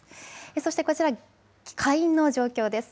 そしてこちら、下院の状況です。